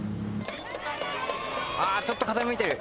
ああちょっと傾いてる。